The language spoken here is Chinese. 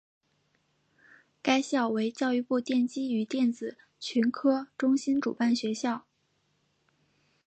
该校为教育部电机与电子群科中心主办学校。